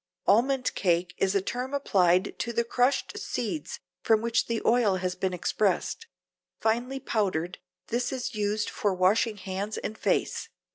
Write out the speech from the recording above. Almond cake is a term applied to the crushed seeds from which the oil has been expressed. Finely powdered this is used for washing hands and face.